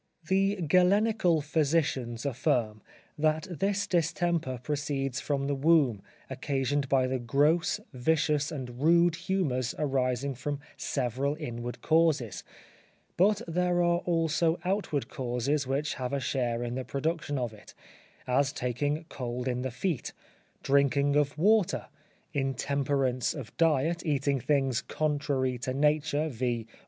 The Galenical physicians affirm, that this distemper proceeds from the womb; occasioned by the gross, vicious and rude humours arising from several inward causes; but there are also outward causes which have a share in the production of it; as taking cold in the feet, drinking of water, intemperance of diet, eating things contrary to nature, viz.